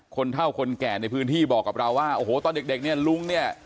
เท่าคนแก่ในพื้นที่บอกกับเราว่าโอ้โหตอนเด็กเนี่ยลุงเนี่ย